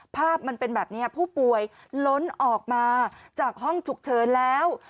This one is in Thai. ภาพมันเป็นแบบนี้ผู้ป่วยล้นออกมาจากห้องฉุกเฉินแล้ว